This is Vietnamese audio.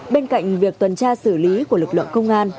bên cạnh việc tuần tra xử lý của lực lượng công an